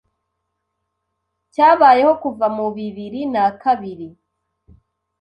cyabayeho kuva mu bibiri na kabiri